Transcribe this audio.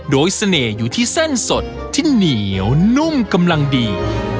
โดยเสน่ห์อยู่ที่เส้นสดที่เหนียวนุ่มกำลังดี